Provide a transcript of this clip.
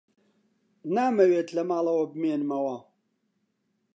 نامەوێت لە ماڵەوە بمێنمەوە.